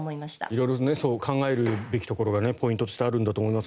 色々、考えるべきところがポイントとしてあるんだと思います。